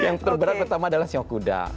yang terberat pertama adalah seong kuda